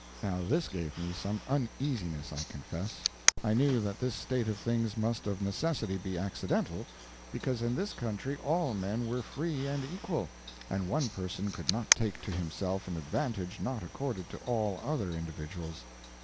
Now this gave me some uneasiness, I confess. I knew that this state of things must of necessity be accidental, because in this country all men were free and equal, and one person could not take to himself an advantage not accorded to all other individuals.